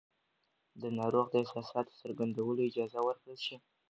د ناروغ د احساساتو څرګندولو اجازه ورکړل شي.